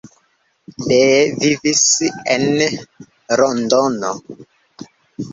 Lee vivis en Londono.